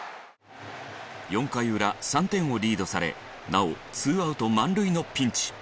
４回裏３点をリードされなおツーアウト満塁のピンチ。